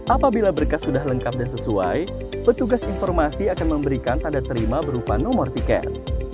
apabila berkas sudah lengkap dan sesuai petugas informasi akan memberikan tanda terima berupa nomor tiket